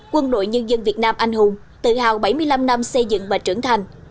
quân đội nhân dân việt nam anh hùng tự hào bảy mươi năm năm xây dựng và trưởng thành